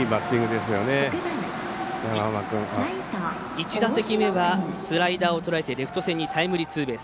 １打席目はスライダーをとらえてレフト線にタイムリーツーベース。